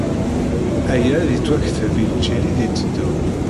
Aya ad ittwakteb i lǧil i d-itteddun.